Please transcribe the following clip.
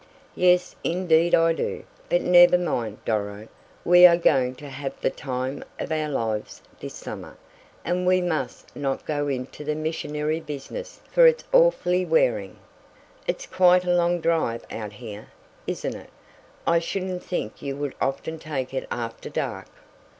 "Yes, indeed I do, but never mind, Doro, we are going to have the time of our lives this summer, and we must not go into the missionary business for it's awfully wearing." "It's quite a long drive out here, isn't it? I shouldn't think you would often take it after dark?"